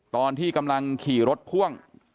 ตอนที่กำลังขี่รถพ่วง